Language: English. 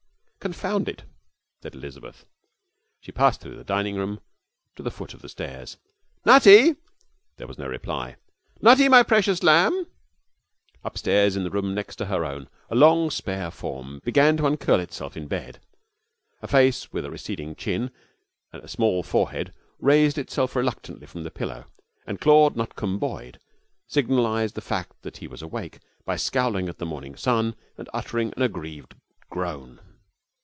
'Confound it!' said Elizabeth. She passed through the dining room to the foot of the stairs. 'Nutty!' There was no reply. 'Nutty, my precious lamb!' Upstairs in the room next to her own a long, spare form began to uncurl itself in bed; a face with a receding chin and a small forehead raised itself reluctantly from the pillow, and Claude Nutcombe Boyd signalized the fact that he was awake by scowling at the morning sun and uttering an aggrieved groan.